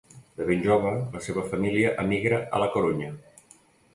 De ben jove, la seva família emigra a La Corunya.